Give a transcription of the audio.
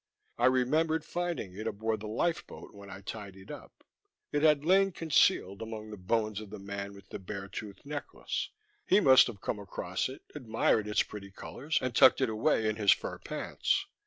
I remembered finding it aboard the lifeboat when I tidied up; it had lain concealed among the bones of the man with the bear tooth necklace. He must have come across it, admired its pretty colors, and tucked it away in his fur pants.